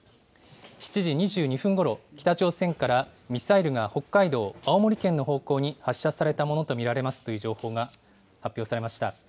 ７時２２分ごろ、北朝鮮からミサイルが北海道、青森県の方向に発射されたものと見られますという情報が発表されました。